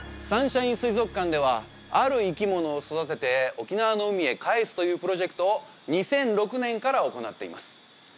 サンシャイン水族館ではある生き物を育てて沖縄の海へかえすというプロジェクトを２００６年から行っています